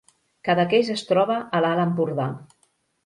Cadaqués es troba a l’Alt Empordà